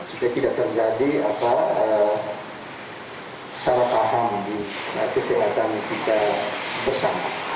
supaya tidak terjadi salah paham di kesehatan kita bersama